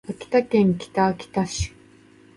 秋田県北秋田市